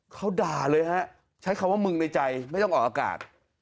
เขาด่าเลยฮะใช้คำว่ามึงในใจไม่ต้องออกอากาศ